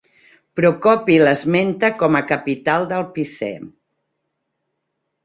Procopi l'esmenta com a capital del Picé.